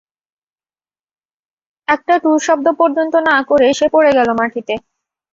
একটা টুশব্দ পর্যন্ত না করে সে পড়ে গেল মাটিতে।